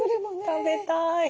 食べたい。